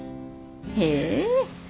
へえ。